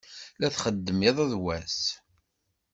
La txeddem iḍ d wass.